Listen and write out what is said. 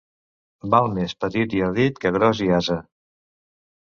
Val més petit i ardit que gros i ase.